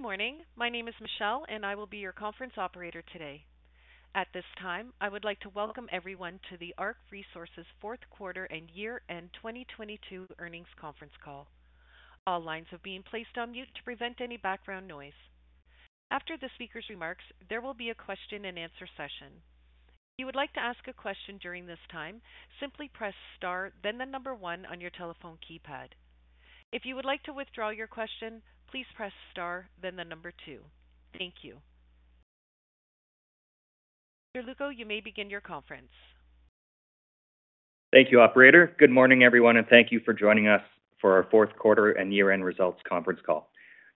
Good morning. My name is Michelle, and I will be your conference operator today. At this time, I would like to welcome everyone to the ARC Resources fourth quarter and year-end 2022 earnings conference call. All lines are being placed on mute to prevent any background noise. After the speaker's remarks, there will be a question and answer session. If you would like to ask a question during this time, simply press star, then the number 1 on your telephone keypad. If you would like to withdraw your question, please press star then the number 2. Thank you. Mr. Lewko, you may begin your conference. Thank you, operator. Good morning, everyone. Thank you for joining us for our 4th quarter and year-end results conference call.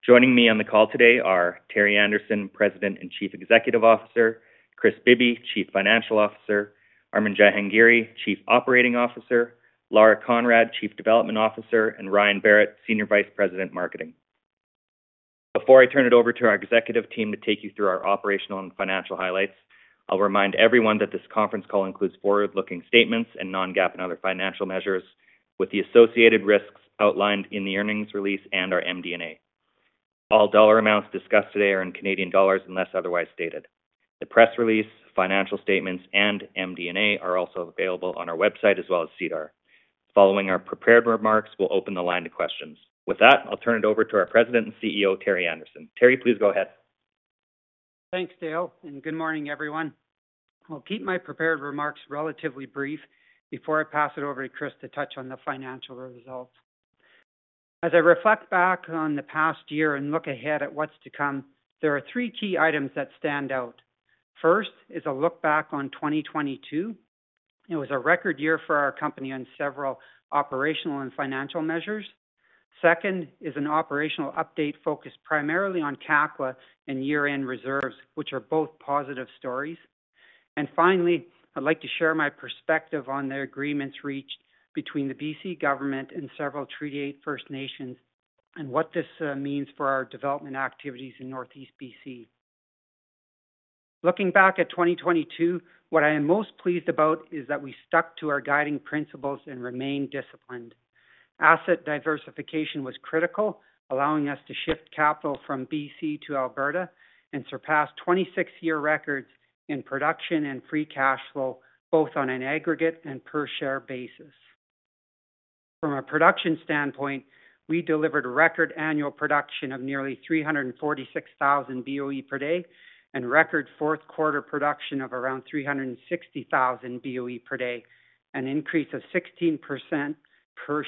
Joining me on the call today are Terry Anderson, President and Chief Executive Officer, Kris Bibby, Chief Financial Officer, Armin Jahangiri, Chief Operating Officer, Lara Conrad, Chief Development Officer, and Ryan Berrett, Senior Vice President, Marketing. Before I turn it over to our executive team to take you through our operational and financial highlights, I'll remind everyone that this conference call includes forward-looking statements and non-GAAP and other financial measures with the associated risks outlined in the earnings release and our MD&A. All dollar amounts discussed today are in Canadian dollars unless otherwise stated. The press release, financial statements, and MD&A are also available on our website as well as SEDAR. Following our prepared remarks, we'll open the line to questions. I'll turn it over to our President and CEO, Terry Anderson. Terry, please go ahead. Thanks, Dale. Good morning, everyone. I'll keep my prepared remarks relatively brief before I pass it over to Kris to touch on the financial results. As I reflect back on the past year and look ahead at what's to come, there are three key items that stand out. First is a look back on 2022. It was a record year for our company on several operational and financial measures. Second is an operational update focused primarily on Kakwa and year-end reserves, which are both positive stories. Finally, I'd like to share my perspective on the agreements reached between the BC government and several Treaty 8 First Nations and what this means for our development activities in Northeast BC. Looking back at 2022, what I am most pleased about is that we stuck to our guiding principles and remained disciplined. Asset diversification was critical, allowing us to shift capital from BC to Alberta and surpass 26-year records in production and free cash flow, both on an aggregate and per share basis. From a production standpoint, we delivered a record annual production of nearly 346,000 BOE per day and record fourth quarter production of around 360,000 BOE per day, an increase of 16% per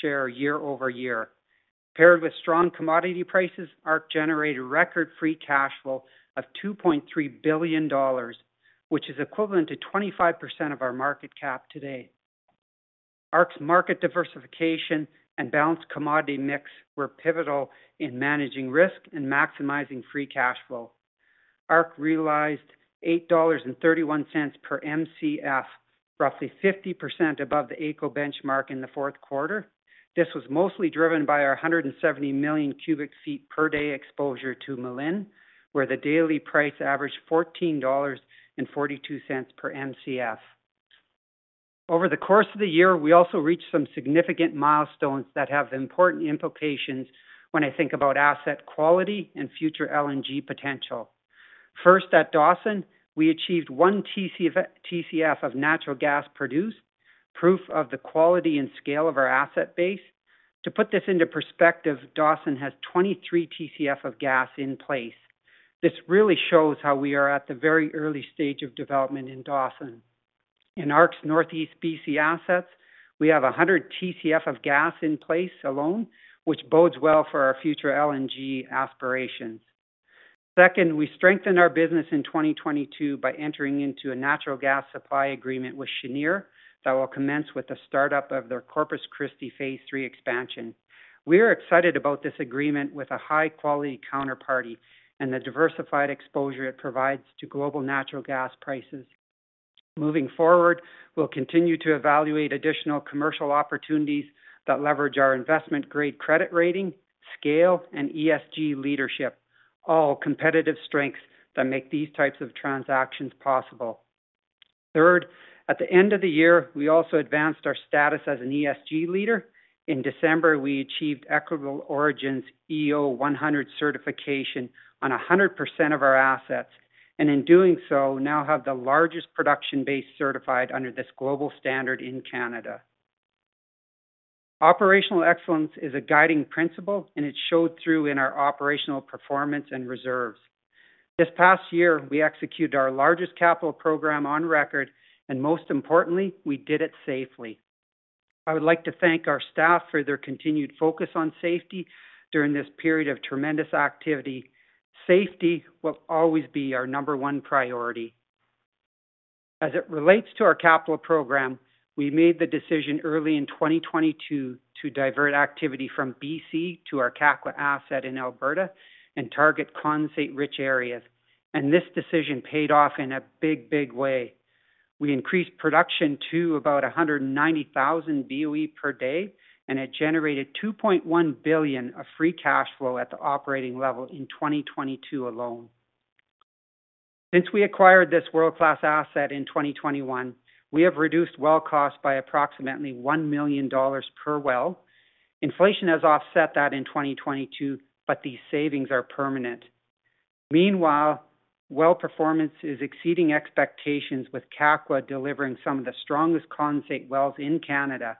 share year-over-year. Paired with strong commodity prices, ARC generated record free cash flow of 2.3 billion dollars, which is equivalent to 25% of our market cap today. ARC's market diversification and balanced commodity mix were pivotal in managing risk and maximizing free cash flow. ARC realized 8.31 dollars per Mcf, roughly 50% above the AECO benchmark in the fourth quarter. This was mostly driven by our 170 million cubic feet per day exposure to Malin, where the daily price averaged 14.42 dollars per Mcf. Over the course of the year, we also reached some significant milestones that have important implications when I think about asset quality and future LNG potential. At Dawson, we achieved 1 TCF of natural gas produced, proof of the quality and scale of our asset base. To put this into perspective, Dawson has 23 TCF of gas in place. This really shows how we are at the very early stage of development in Dawson. In ARC's Northeast BC assets, we have 100 TCF of gas in place alone, which bodes well for our future LNG aspirations. Second, we strengthened our business in 2022 by entering into a natural gas supply agreement with Cheniere that will commence with the startup of their Corpus Kristi phase 3 expansion. We are excited about this agreement with a high-quality counterparty and the diversified exposure it provides to global natural gas prices. Moving forward, we'll continue to evaluate additional commercial opportunities that leverage our investment-grade credit rating, scale, and ESG leadership, all competitive strengths that make these types of transactions possible. Third, at the end of the year, we also advanced our status as an ESG leader. In December, we achieved Equitable Origin's EO 100 certification on 100% of our assets, and in doing so, now have the largest production base certified under this global standard in Canada. Operational excellence is a guiding principle, and it showed through in our operational performance and reserves. This past year, we executed our largest capital program on record, and most importantly, we did it safely. I would like to thank our staff for their continued focus on safety during this period of tremendous activity. Safety will always be our number one priority. As it relates to our capital program, we made the decision early in 2022 to divert activity from BC to our Kakwa asset in Alberta and target condensate-rich areas. This decision paid off in a big, big way. We increased production to about 190,000 BOE per day, and it generated 2.1 billion of free cash flow at the operating level in 2022 alone. Since we acquired this world-class asset in 2021, we have reduced well cost by approximately 1 million dollars per well. Inflation has offset that in 2022, but these savings are permanent. Meanwhile, well performance is exceeding expectations with Kakwa delivering some of the strongest condensate wells in Canada.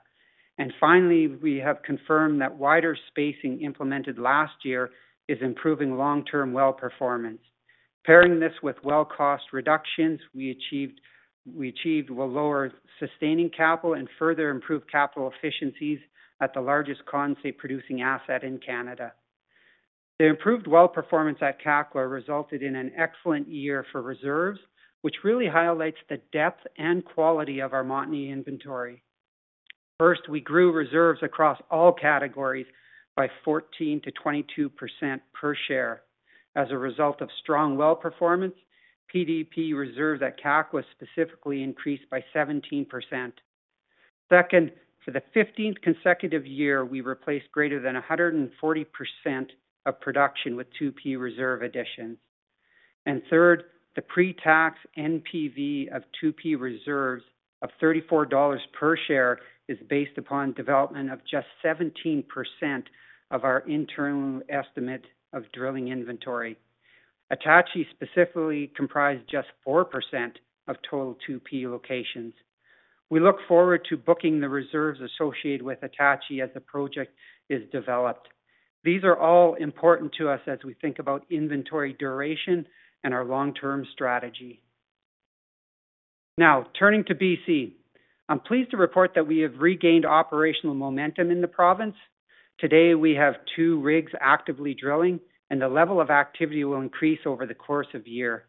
Finally, we have confirmed that wider spacing implemented last year is improving long-term well performance. Pairing this with well cost reductions we achieved will lower sustaining capital and further improve capital efficiencies at the largest condensate producing asset in Canada. The improved well performance at Kakwa resulted in an excellent year for reserves, which really highlights the depth and quality of our Montney inventory. First, we grew reserves across all categories by 14%-22% per share as a result of strong well performance. PDP reserves at Kakwa specifically increased by 17%. Second, for the 15th consecutive year, we replaced greater than 140% of production with 2P reserve additions. The pre-tax NPV of 2P reserves of 34 dollars per share is based upon development of just 17% of our internal estimate of drilling inventory. Attachie specifically comprised just 4% of total 2P locations. We look forward to booking the reserves associated with Attachie as the project is developed. These are all important to us as we think about inventory duration and our long-term strategy. Now turning to BC. I'm pleased to report that we have regained operational momentum in the province. Today we have two rigs actively drilling, and the level of activity will increase over the course of the year.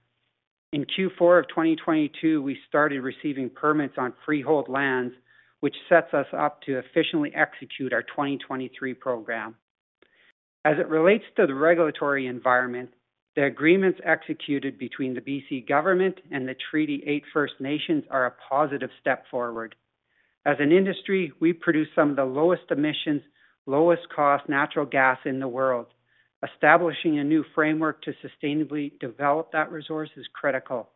In Q4 of 2022, we started receiving permits on freehold lands, which sets us up to efficiently execute our 2023 program. As it relates to the regulatory environment, the agreements executed between the BC government and the Treaty 8 First Nations are a positive step forward. As an industry, we produce some of the lowest emissions, lowest cost natural gas in the world. Establishing a new framework to sustainably develop that resource is critical.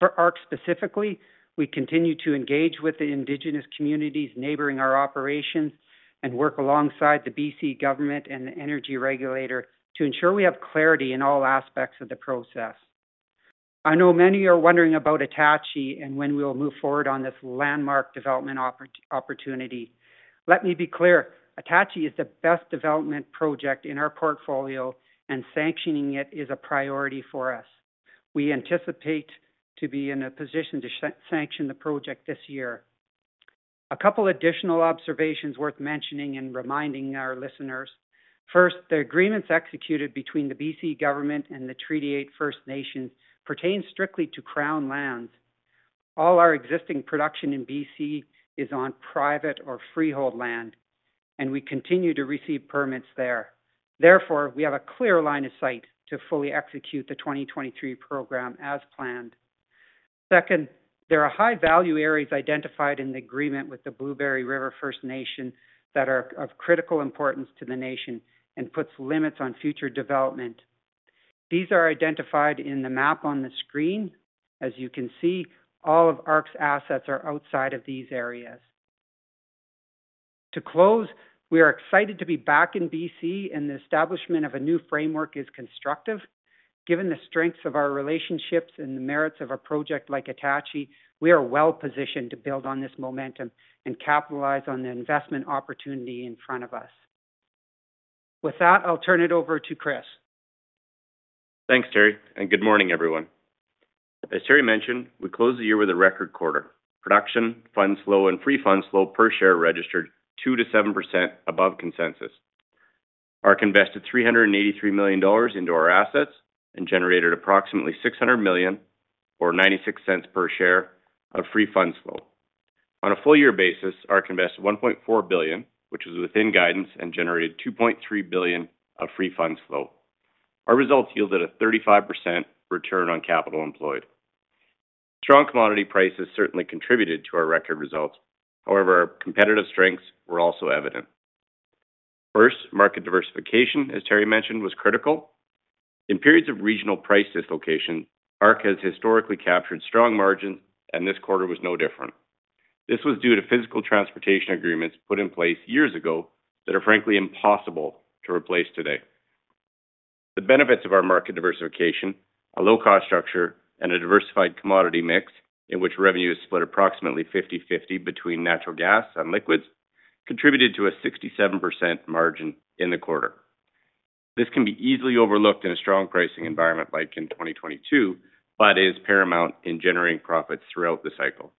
For ARC specifically, we continue to engage with the indigenous communities neighboring our operations and work alongside the BC government and the energy regulator to ensure we have clarity in all aspects of the process. I know many are wondering about Attachie and when we will move forward on this landmark development opportunity. Let me be clear, Attachie is the best development project in our portfolio, and sanctioning it is a priority for us. We anticipate to be in a position to sanction the project this year. A couple additional observations worth mentioning and reminding our listeners. First, the agreements executed between the BC government and the Treaty 8 First Nations pertain strictly to Crown lands. All our existing production in BC is on private or freehold land, and we continue to receive permits there. Therefore, we have a clear line of sight to fully execute the 2023 program as planned. Second, there are high value areas identified in the agreement with the Blueberry River First Nation that are of critical importance to the nation and puts limits on future development. These are identified in the map on the screen. As you can see, all of ARC's assets are outside of these areas. To close, we are excited to be back in BC and the establishment of a new framework is constructive. Given the strengths of our relationships and the merits of a project like Attachie, we are well-positioned to build on this momentum and capitalize on the investment opportunity in front of us. With that, I'll turn it over to Kris. Thanks, Terry. Good morning, everyone. As Terry mentioned, we closed the year with a record quarter. Production, funds flow, and free funds flow per share registered 2%-7% above consensus. ARC invested 383 million dollars into our assets and generated approximately 600 million or 0.96 per share of free funds flow. On a full year basis, ARC invested 1.4 billion, which was within guidance and generated 2.3 billion of free funds flow. Our results yielded a 35% return on capital employed. Strong commodity prices certainly contributed to our record results. However, our competitive strengths were also evident. First, market diversification, as Terry mentioned, was critical. In periods of regional price dislocation, ARC has historically captured strong margins, and this quarter was no different. This was due to physical transportation agreements put in place years ago that are frankly impossible to replace today. The benefits of our market diversification, a low cost structure, and a diversified commodity mix in which revenue is split approximately 50/50 between natural gas and liquids, contributed to a 67% margin in the quarter. This can be easily overlooked in a strong pricing environment like in 2022, but is paramount in generating profits throughout the cycle.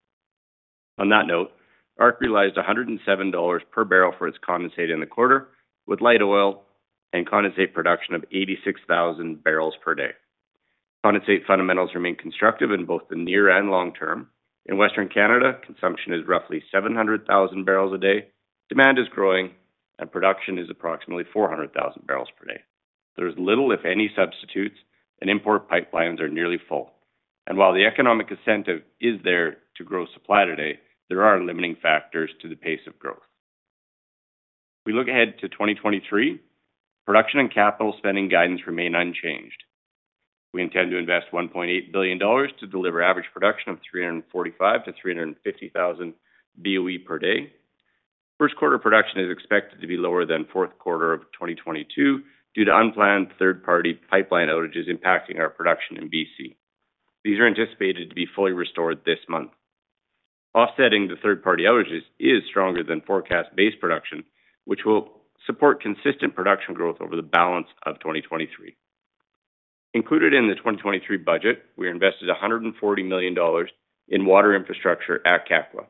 On that note, ARC realized 107 dollars per barrel for its condensate in the quarter with light oil and condensate production of 86,000 barrels per day. Condensate fundamentals remain constructive in both the near and long term. In Western Canada, consumption is roughly 700,000 barrels a day. Demand is growing production is approximately 400,000 barrels per day. There's little, if any, substitutes and import pipelines are nearly full. While the economic incentive is there to grow supply today, there are limiting factors to the pace of growth. We look ahead to 2023. Production and capital spending guidance remain unchanged. We intend to invest 1.8 billion dollars to deliver average production of 345,000-350,000 BOE per day. First quarter production is expected to be lower than fourth quarter of 2022 due to unplanned third-party pipeline outages impacting our production in BC. These are anticipated to be fully restored this month. Offsetting the third-party outages is stronger than forecast base production, which will support consistent production growth over the balance of 2023. Included in the 2023 budget, we invested 140 million dollars in water infrastructure at Kakwa.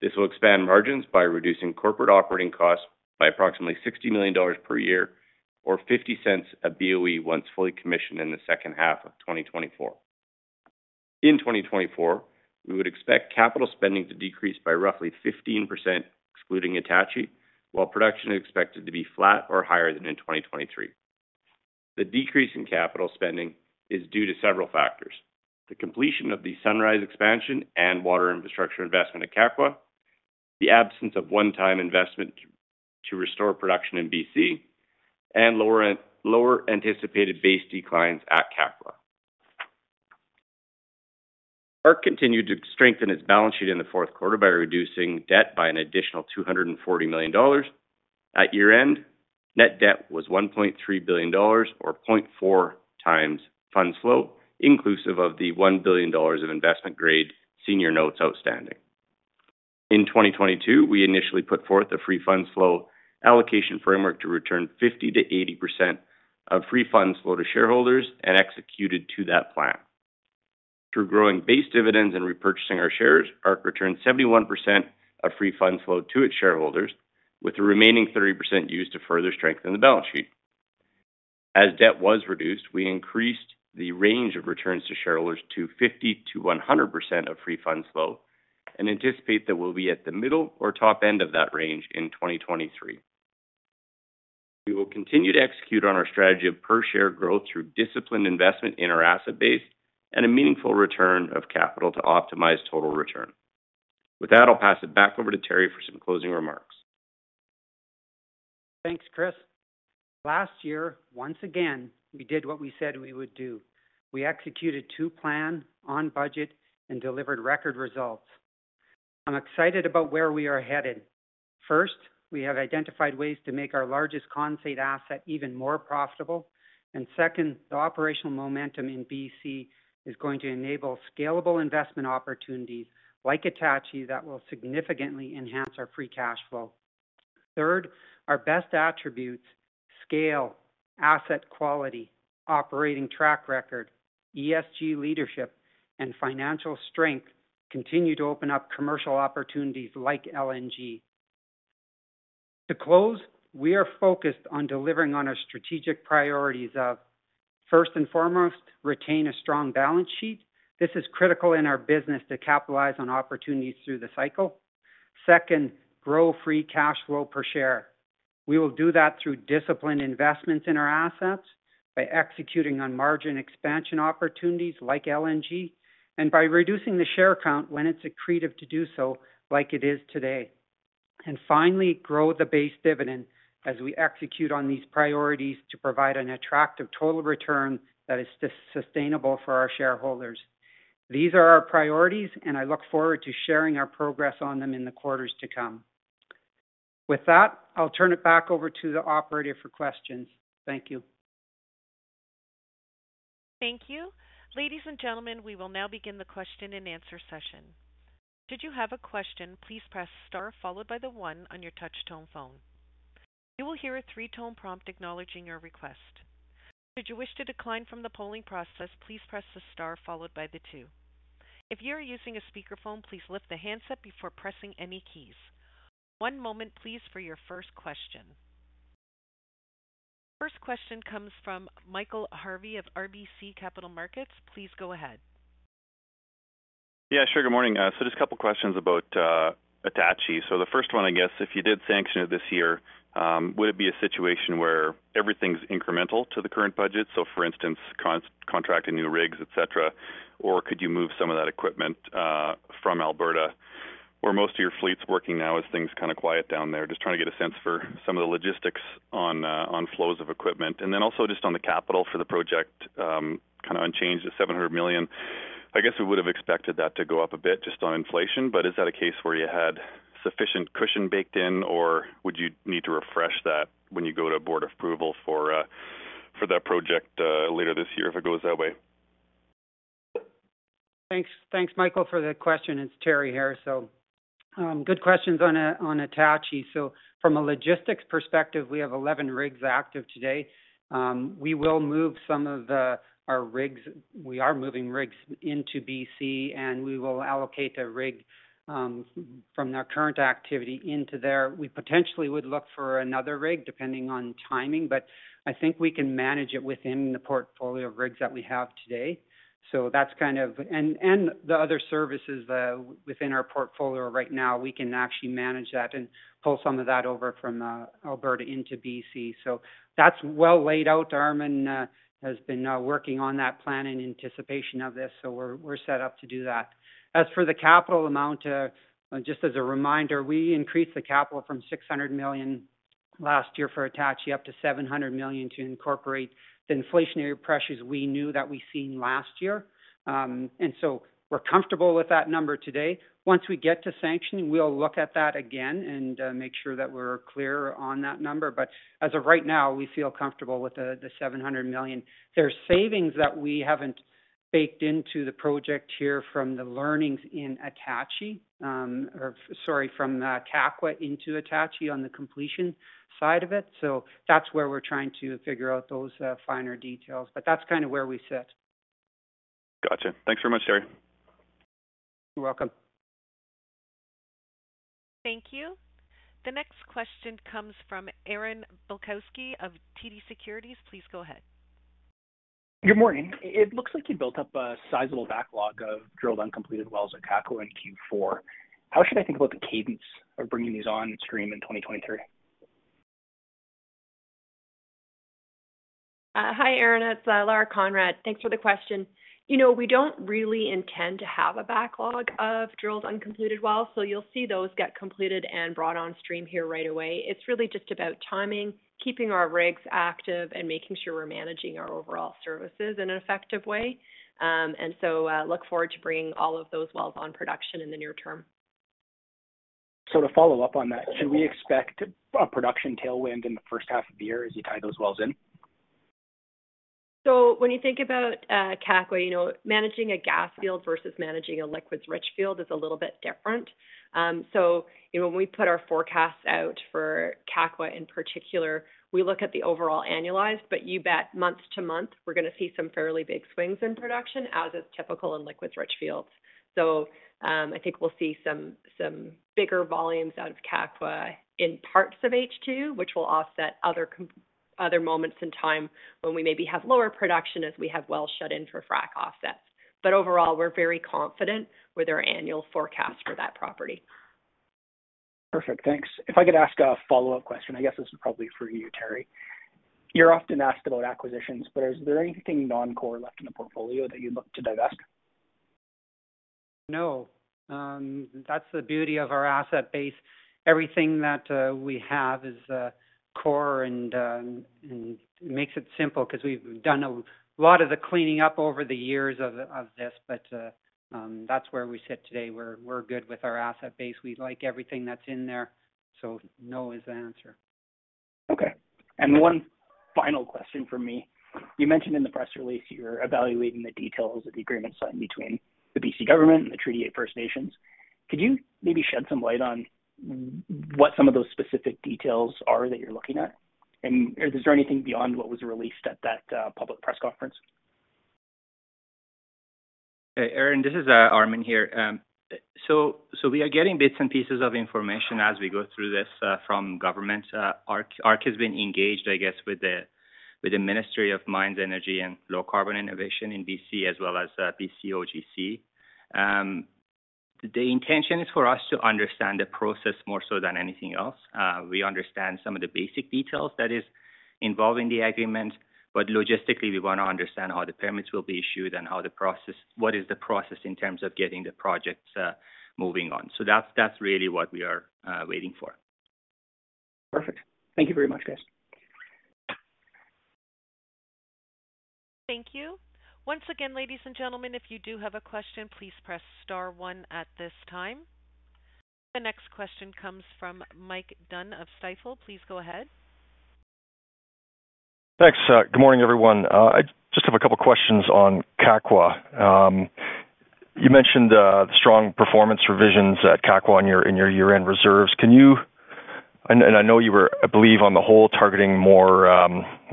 This will expand margins by reducing corporate operating costs by approximately 60 million dollars per year or 0.50 a BOE once fully commissioned in the second half of 2024. In 2024, we would expect capital spending to decrease by roughly 15%, excluding Attachie, while production is expected to be flat or higher than in 2023. The decrease in capital spending is due to several factors. The completion of the Sunrise expansion and water infrastructure investment at Kakwa, the absence of one-time investment to restore production in BC, and lower anticipated base declines at Kakwa. ARC continued to strengthen its balance sheet in the fourth quarter by reducing debt by an additional 240 million dollars. At year-end, net debt was 1.3 billion dollars or 0.4 times fund flow, inclusive of the 1 billion dollars of investment-grade senior notes outstanding. In 2022, we initially put forth a free funds flow allocation framework to return 50% to 80% of free funds flow to shareholders and executed to that plan. Through growing base dividends and repurchasing our shares, ARC returned 71% of free funds flow to its shareholders, with the remaining 30% used to further strengthen the balance sheet. As debt was reduced, we increased the range of returns to shareholders to 50% to 100% of free funds flow and anticipate that we'll be at the middle or top end of that range in 2023. We will continue to execute on our strategy of per share growth through disciplined investment in our asset base and a meaningful return of capital to optimize total return. With that, I'll pass it back over to Terry for some closing remarks. Thanks, Kris. Last year, once again, we did what we said we would do. We executed to plan on budget and delivered record results. I'm excited about where we are headed. First, we have identified ways to make our largest concept asset even more profitable. Second, the operational momentum in BC is going to enable scalable investment opportunities like Attachie that will significantly enhance our free cash flow. Third, our best attributes, scale, asset quality, operating track record, ESG leadership, and financial strength continue to open up commercial opportunities like LNG. To close, we are focused on delivering on our strategic priorities of, first and foremost, retain a strong balance sheet. This is critical in our business to capitalize on opportunities through the cycle. Second, grow free cash flow per share. We will do that through disciplined investments in our assets by executing on margin expansion opportunities like LNG and by reducing the share count when it's accretive to do so like it is today. Finally, grow the base dividend as we execute on these priorities to provide an attractive total return that is sustainable for our shareholders. These are our priorities, and I look forward to sharing our progress on them in the quarters to come. With that, I'll turn it back over to the operator for questions. Thank you. Thank you. Ladies and gentlemen, we will now begin the question and answer session. Should you have a question, please press star followed by the 1 on your touch-tone phone. You will hear a 3-tone prompt acknowledging your request. Should you wish to decline from the polling process, please press the star followed by the 2. If you are using a speakerphone, please lift the handset before pressing any keys. One moment please for your first question. First question comes from Michael Harvey of RBC Capital Markets. Please go ahead. Yeah, sure. Good morning. Just a couple questions about Attachie. The first one, I guess, if you did sanction it this year, would it be a situation where everything's incremental to the current budget? For instance, contracting new rigs, et cetera, or could you move some of that equipment from Alberta? Where most of your fleet's working now as things kinda quiet down there. Just trying to get a sense for some of the logistics on flows of equipment. Also just on the capital for the project, kinda unchanged at 700 million. I guess we would have expected that to go up a bit just on inflation. Is that a case where you had sufficient cushion baked in, or would you need to refresh that when you go to board approval for that project later this year if it goes that way? Thanks Michael for the question. It's Terry here. Good questions on Attachie. From a logistics perspective, we have 11 rigs active today. We will move some of our rigs. We are moving rigs into BC, and we will allocate a rig from their current activity into there. We potentially would look for another rig depending on timing, but I think we can manage it within the portfolio of rigs that we have today. That's kind of. The other services within our portfolio right now, we can actually manage that and pull some of that over from Alberta into BC. That's well laid out. Armin has been working on that plan in anticipation of this, so we're set up to do that. As for the capital amount, just as a reminder, we increased the capital from 600 million last year for Attachie up to 700 million to incorporate the inflationary pressures we knew that we've seen last year. We're comfortable with that number today. Once we get to sanction, we'll look at that again and make sure that we're clear on that number. As of right now, we feel comfortable with the 700 million. There are savings that we haven't baked into the project here from the learnings in Attachie, or sorry, from Kakwa into Attachie on the completion side of it. That's kind of where we sit. Gotcha. Thanks very much, Terry. You're welcome. Thank you. The next question comes from Aaron Bilkoski of TD Securities. Please go ahead. Good morning. It looks like you built up a sizable backlog of drilled uncompleted wells at Kakwa in Q4. How should I think about the cadence of bringing these on stream in 2023? Hi, Aaron, it's Lara Conrad. Thanks for the question. You know, we don't really intend to have a backlog of drilled uncompleted wells, so you'll see those get completed and brought on stream here right away. It's really just about timing, keeping our rigs active, and making sure we're managing our overall services in an effective way. Look forward to bringing all of those wells on production in the near term. To follow up on that, should we expect a production tailwind in the first half of the year as you tie those wells in? When you think about, Kakwa, you know, managing a gas field versus managing a liquids-rich field is a little bit different. When we put our forecasts out for Kakwa in particular, we look at the overall annualized, but you bet month-to-month, we're gonna see some fairly big swings in production as is typical in liquids-rich fields. I think we'll see some bigger volumes out of Kakwa in parts of H2, which will offset other moments in time when we maybe have lower production as we have wells shut in for frac offsets. Overall, we're very confident with our annual forecast for that property. Perfect. Thanks. If I could ask a follow-up question, I guess this is probably for you, Terry. You're often asked about acquisitions. Is there anything non-core left in the portfolio that you'd look to divest? No. That's the beauty of our asset base. Everything that we have is core and makes it simple 'cause we've done a lot of the cleaning up over the years of this. That's where we sit today. We're good with our asset base. We like everything that's in there. No is the answer. Okay. One final question from me. You mentioned in the press release you're evaluating the details of the agreement signed between the BC government and the Treaty 8 First Nations. Could you maybe shed some light on what some of those specific details are that you're looking at? Is there anything beyond what was released at that public press conference? Aaron, this is Armin here. We are getting bits and pieces of information as we go through this from government. ARC has been engaged, I guess, with the Ministry of Energy, Mines and Low Carbon Innovation in BC as well as BCOGC. The intention is for us to understand the process more so than anything else. We understand some of the basic details that is involved in the agreement, but logistically, we wanna understand how the permits will be issued and how the process, what is the process in terms of getting the projects moving on. That's really what we are waiting for. Perfect. Thank you very much, guys. Thank you. Once again, ladies and gentlemen, if you do have a question, please press star one at this time. The next question comes from Mike Dunn of Stifel. Please go ahead. Thanks. Good morning, everyone. I just have a couple questions on Kakwa. You mentioned the strong performance revisions at Kakwa in your year-end reserves. I know you were, I believe on the whole, targeting more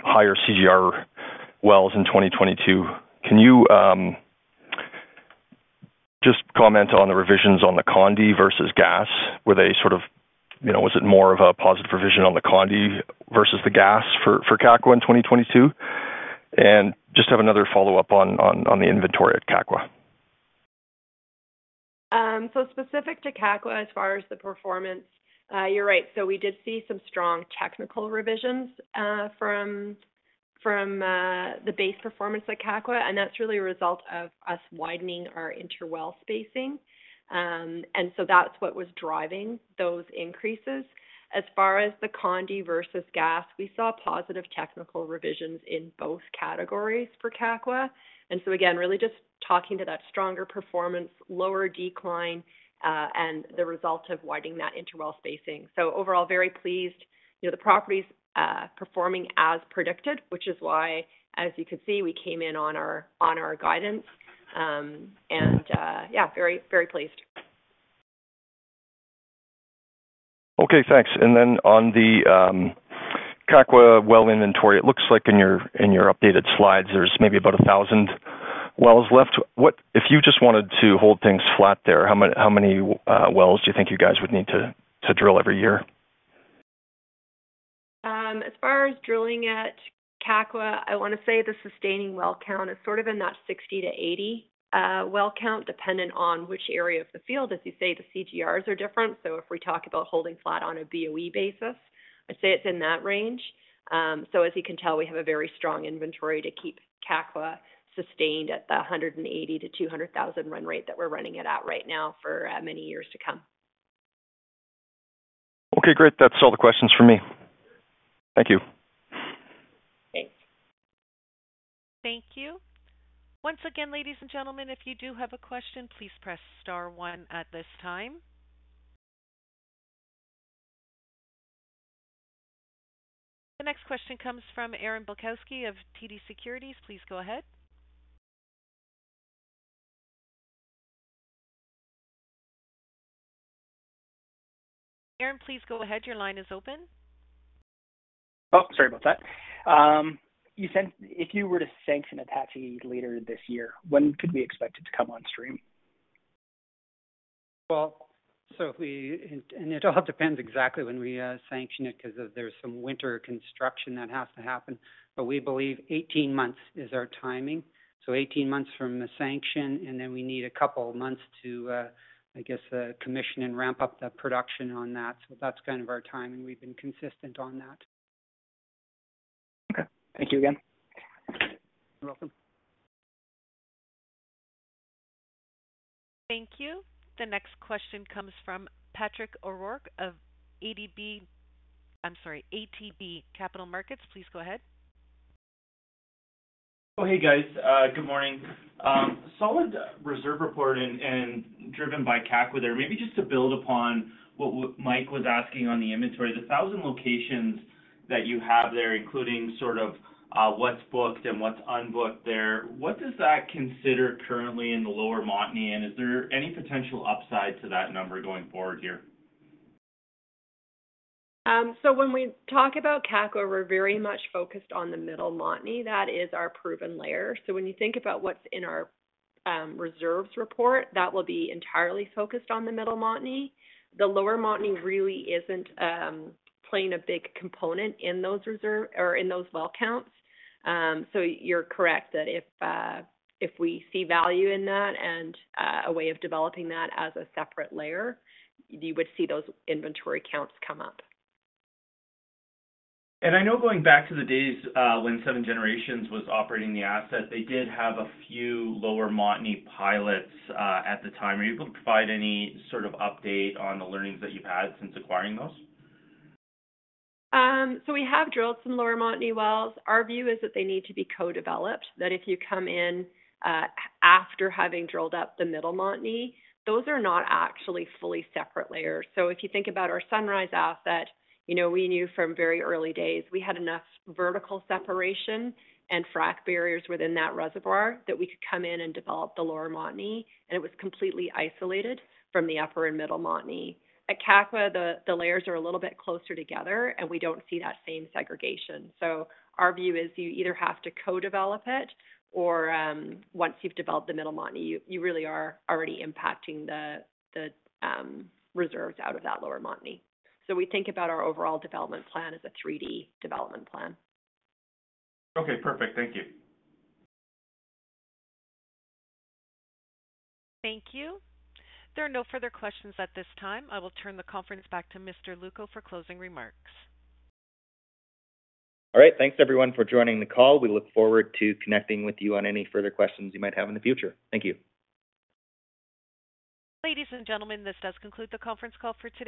higher CGR wells in 2022. Can you just comment on the revisions on the condensate versus gas? Were they sort of, you know, was it more of a positive revision on the condensate versus the gas for Kakwa in 2022? Just have another follow-up on the inventory at Kakwa. Specific to Kakwa as far as the performance, you're right. We did see some strong technical revisions from the base performance at Kakwa, and that's really a result of us widening our interwell spacing. That's what was driving those increases. As far as the condensate versus gas, we saw positive technical revisions in both categories for Kakwa. Again, really just talking to that stronger performance, lower decline, and the result of widening that interwell spacing. Overall, very pleased. You know, the property's performing as predicted, which is why, as you can see, we came in on our guidance. Yeah, very, very pleased. Okay, thanks. On the Kakwa well inventory, it looks like in your updated slides, there's maybe about 1,000 wells left. If you just wanted to hold things flat there, how many wells do you think you guys would need to drill every year? As far as drilling at Kakwa, I wanna say the sustaining well count is sort of in that 60-80 well count, dependent on which area of the field. As you say, the CGRs are different. If we talk about holding flat on a BOE basis, I'd say it's in that range. As you can tell, we have a very strong inventory to keep Kakwa sustained at the 180,000-200,000 run rate that we're running it at right now for many years to come. Okay, great. That's all the questions from me. Thank you. Thanks. Thank you. Once again, ladies and gentlemen, if you do have a question, please press star one at this time. The next question comes from Aaron Bilkoski of TD Securities. Please go ahead. Aaron, please go ahead. Your line is open. Oh, sorry about that. you said if you were to sanction Attachie later this year, when could we expect it to come on stream? It all depends exactly when we sanction it because there's some winter construction that has to happen. We believe 18 months is our timing. 18 months from the sanction, and then we need a couple of months to, I guess, commission and ramp up the production on that. That's kind of our timing. We've been consistent on that. Okay. Thank you again. You're welcome. Thank you. The next question comes from Patrick O'Rourke of ATB. I'm sorry, ATB Capital Markets, please go ahead. Hey, guys. Good morning. Solid reserve report and driven by Kakwa there. Maybe just to build upon what Mike Dunn was asking on the inventory. The 1,000 locations that you have there, including sort of what's booked and what's unbooked there, what does that consider currently in the lower Montney? Is there any potential upside to that number going forward here? When we talk about Kakwa, we're very much focused on the middle Montney. That is our proven layer. When you think about what's in our reserves report, that will be entirely focused on the middle Montney. The lower Montney really isn't playing a big component in those reserve or in those well counts. You're correct that if we see value in that and a way of developing that as a separate layer, you would see those inventory counts come up. I know going back to the days, when Seven Generations was operating the asset, they did have a few lower Montney pilots, at the time. Are you able to provide any sort of update on the learnings that you've had since acquiring those? We have drilled some lower Montney wells. Our view is that they need to be co-developed, that if you come in after having drilled up the middle Montney, those are not actually fully separate layers. If you think about our Sunrise asset, you know, we knew from very early days we had enough vertical separation and frac barriers within that reservoir that we could come in and develop the lower Montney, and it was completely isolated from the upper and middle Montney. At Kakwa, the layers are a little bit closer together, and we don't see that same segregation. Our view is you either have to co-develop it or, once you've developed the middle Montney, you really are already impacting the reserves out of that lower Montney. We think about our overall development plan as a 3D development plan. Okay, perfect. Thank you. Thank you. There are no further questions at this time. I will turn the conference back to Mr. Lewko for closing remarks. All right. Thanks everyone for joining the call. We look forward to connecting with you on any further questions you might have in the future. Thank you. Ladies and gentlemen, this does conclude the conference call for today.